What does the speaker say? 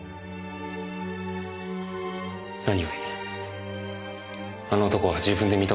何よりあの男は自分で認めたんですから。